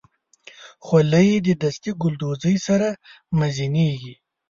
خولۍ د دستي ګلدوزۍ سره مزینېږي.